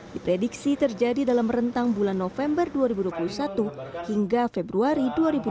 diprediksi terjadi dalam rentang bulan november dua ribu dua puluh satu hingga februari dua ribu dua puluh